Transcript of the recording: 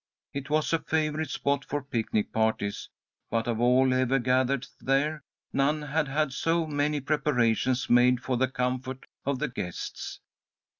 It was a favourite spot for picnic parties, but of all ever gathered there, none had had so many preparations made for the comfort of the guests.